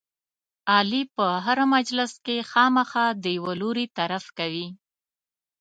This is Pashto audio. علي په هره مجلس کې خامخا د یوه لوري طرف کوي.